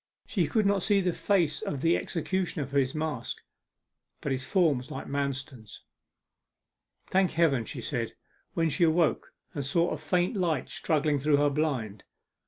She could not see the face of the executioner for his mask, but his form was like Manston's. 'Thank Heaven!' she said, when she awoke and saw a faint light struggling through her blind.